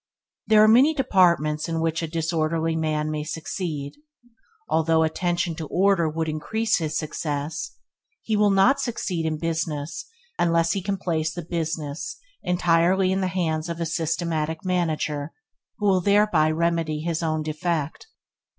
There are many departments in which a disorderly man may succeed – although attention to order would increase his success but he will not succeed in business unless he can place the business entirely in the hands of a systematic manager, who will thereby remedy his own defect.